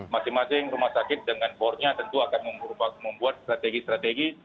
masing masing rumah sakit dengan bornya tentu akan membuat strategi strategi